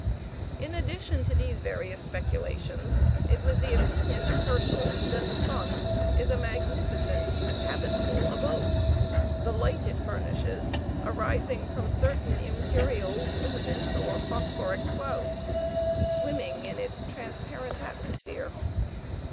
In addition to these various speculations, it was the opinion of Herschel that the sun is a magnificent, habitable abode; the light it furnishes arising from certain empyreal, luminous or phosphoric clouds, swimming in its transparent atmosphere.